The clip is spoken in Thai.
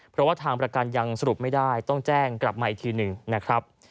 เพราะว่าทางประกันยังสรุปไม่ได้ต้องแจ้งกลับมาอีกทีหนึ่งนะครับ